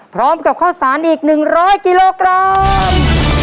พร้อมกับข้อสารอีกหนึ่งร้อยกิโลกรัม